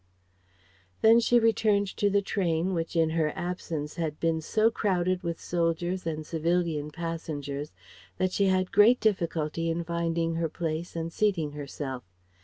Then she returned to the train which in her absence had been so crowded with soldiers and civilian passengers that she had great difficulty in finding her place and seating herself.